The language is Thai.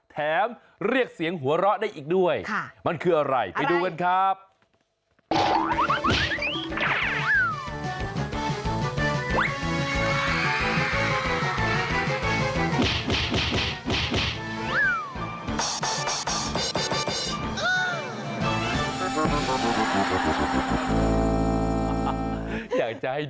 แถมเรียกเสียงหัวเราะได้อีกด้วยมันคืออะไรไปดูกันครับ